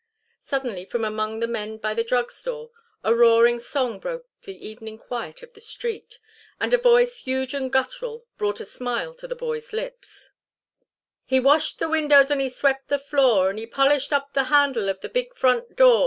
Suddenly, from among the men by the drug store, a roaring song broke the evening quiet of the street, and a voice, huge and guttural, brought a smile to the boy's lips: "He washed the windows and he swept the floor, And he polished up the handle of the big front door.